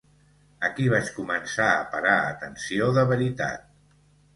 Aquí vaig començar a parar atenció de veritat.